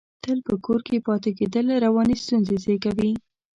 تل په کور کې پاتې کېدل، رواني ستونزې زېږوي.